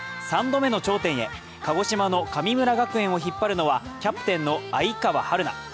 ３度目の頂点へ、鹿児島の神村学園を引っ張るのはキャプテンの愛川陽菜。